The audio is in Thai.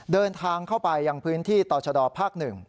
เดินทางเข้าไปยังพื้นที่ต่อชะดอภาค๑